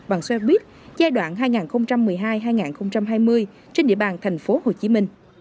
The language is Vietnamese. bằng xe buýt giai đoạn hai nghìn một mươi hai hai nghìn hai mươi trên địa bàn tp hcm